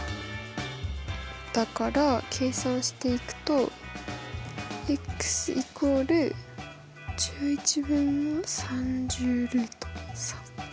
だから計算していくと＝１１分の３０ルート３。